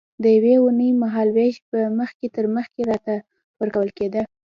د یوې اوونۍ مهال وېش به مخکې تر مخکې راته ورکول کېده.